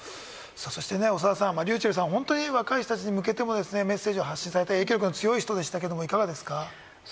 そして長田さん、ｒｙｕｃｈｅｌｌさんは若い人に向けてもメッセージを発信されたり影響力が強い人でしたけれども、いかがですか？